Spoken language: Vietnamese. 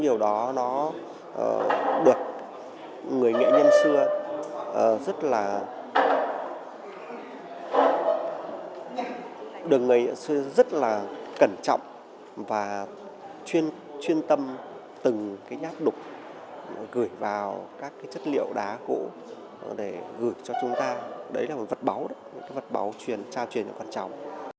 được người nghệ nhân xưa rất là cẩn trọng và chuyên tâm từng cái nháp đục gửi vào các cái chất liệu đá cũ để gửi cho chúng ta đấy là một vật báu đó một cái vật báu trao truyền rất quan trọng